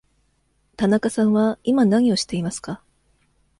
田中さんは今何をしていますか。